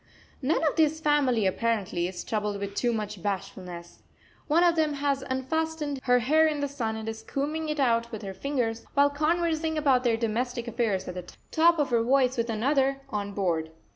None of this family, apparently, is troubled with too much bashfulness. One of them has unfastened her hair in the sun and is combing it out with her fingers, while conversing about their domestic affairs at the top of her voice with another, on board.